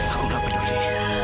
aku gak peduli